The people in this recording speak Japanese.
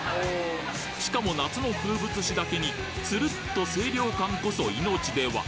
しかも夏の風物詩だけにつるっと清涼感こそ命では？